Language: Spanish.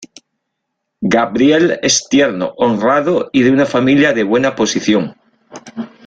Gabriel es tierno, honrado, y de una familia de buena posición.